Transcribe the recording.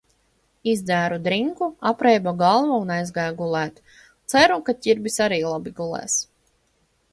Izdzēru drinku, apreiba galva un aizgāju gulēt. Ceru, ka Ķirbis arī labi gulēs.